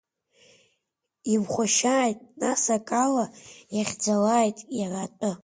Имхәашьааит, нас, акала, иахьӡалааит иара атәы!